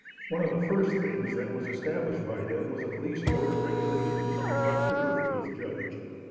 One of the first things that was established by them was a police court of regulations with Dr. Murphy as judge.